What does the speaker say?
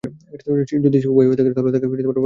যদি সে উবাই হয় তাহলে তাকে বাধা দিবে না।